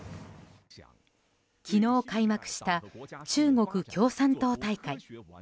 昨日開幕した中国共産党大会。